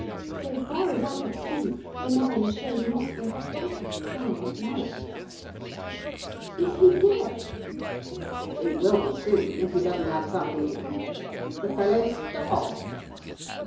So far as I could see the man showed not the slightest sign of life. 'Is he dead?' 'He will be soon, if he doesn't have something to eat. The fellow's starving.